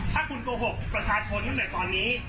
ถ้าคุณโกหกประชาชนตั้งแต่ตอนนี้